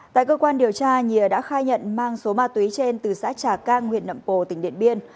tại cơ quan điều tra nhìa đã khai nhận mang số ma túy trên từ xã trà cang huyện nậm pồ tỉnh điện biên